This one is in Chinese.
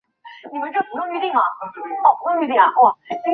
蒋溥为大学士蒋廷锡之子。